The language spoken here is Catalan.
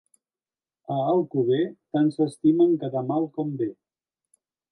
A Alcover tant s'estimen quedar mal com bé.